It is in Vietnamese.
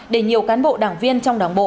để nhiều cán bộ đảng viên trong đảng bộ